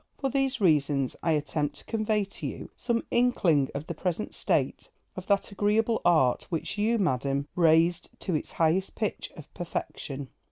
For these reasons I attempt to convey to you some inkling of the present state of that agreeable art which you, madam, raised to its highest pitch of perfection.